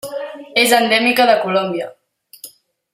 És endèmica de Colòmbia.